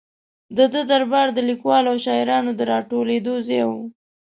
د ده دربار د لیکوالو او شاعرانو د را ټولېدو ځای و.